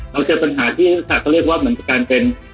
เราเจอปัญหาที่เขาเรียกว่าเหมือนกับการเป็น